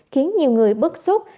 khiến nhiều người bức xúc